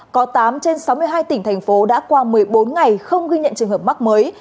có tám trên sáu mươi hai tỉnh thành phố đã qua một mươi bốn ngày không ghi nhận trường hợp mắc mới